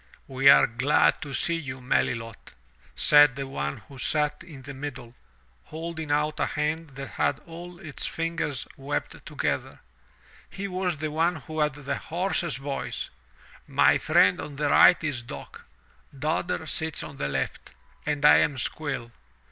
'*We are glad to see you, Melilot/* said the one who sat in the middle, holding out a hand that had all of its fingers webbed to gether. He was the one who had the hoarsest voice. '*My friend on the right is Dock, Dodder sits on the left, and I am Squill.